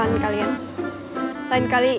kiranya tidak dipakai